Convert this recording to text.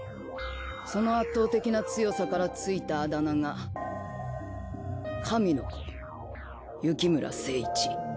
その圧倒的な強さからついたあだ名が神の子幸村精市。